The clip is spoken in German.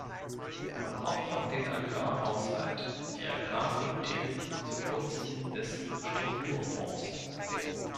Man opfert den Agrarhaushalt, die Agrarpolitik zugunsten der Strukturfonds.